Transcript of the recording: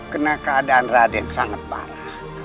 karena keadaan raden sangat parah